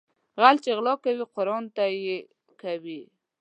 غل چې غلا کوي قرآن ته يې کوي